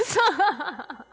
ハハハ！